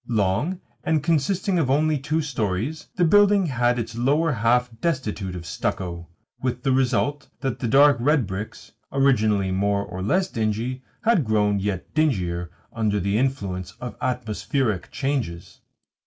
Long, and consisting only of two storeys, the building had its lower half destitute of stucco; with the result that the dark red bricks, originally more or less dingy, had grown yet dingier under the influence of atmospheric changes.